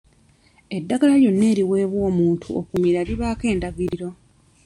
Eddagala lyonna eriweebwa omuntu okumira libaako endagiriro.